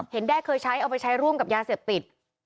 แด้เคยใช้เอาไปใช้ร่วมกับยาเสพติด